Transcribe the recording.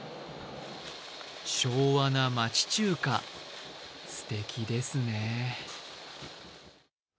昭和な町中華、すてきですね。